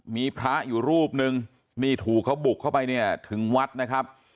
มีพระอยู่รูปนึงนี่ถูกเขาบุกเข้าไปเนี่ยถึงวัดนะครับ